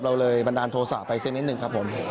เราเลยบรรดาโทษาไปเสร็จนิดหนึ่งครับผม